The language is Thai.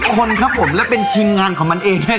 ผมโกหกเหรอมิ้งมันคือเรื่องจริง